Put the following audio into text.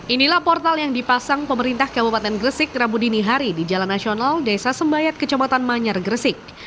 inilah portal yang dipasang pemerintah kabupaten gresik rabu dini hari di jalan nasional desa sembayat kecamatan manyar gresik